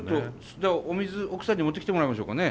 じゃあお水奥さんに持ってきてもらいましょうかね。